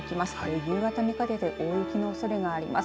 夕方にかけて大雪のおそれがあります。